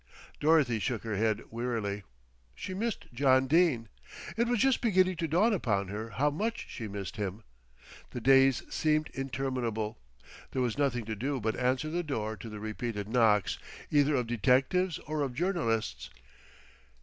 Dorothy shook her head wearily. She missed John Dene. It was just beginning to dawn upon her how much she missed him. The days seemed interminable. There was nothing to do but answer the door to the repeated knocks, either of detectives or of journalists.